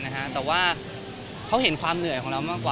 แต่ว่าเขาเห็นความเหนื่อยของเรามากกว่า